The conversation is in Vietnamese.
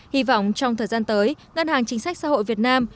hy vọng trong thời gian tới ngân hàng chính sách xã hội việt nam